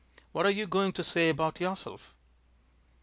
What are you going to say about yourself?"